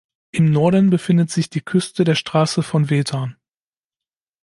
Im Norden befindet sich die Küste der Straße von Wetar.